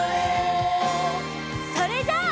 それじゃあ。